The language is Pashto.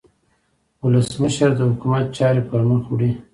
ولسمشر د حکومت چارې پرمخ وړي.